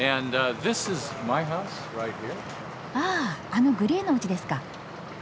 ああのグレーのおうちですか。